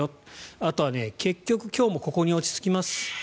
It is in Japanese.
あとは結局、今日もここに落ち着きます。